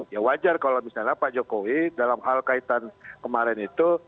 ya wajar kalau misalnya pak jokowi dalam hal kaitan kemarin itu